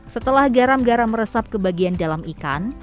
setelah garam garam meresap ke bagian dalam ikan